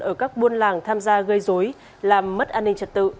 ở các buôn làng tham gia gây dối làm mất an ninh trật tự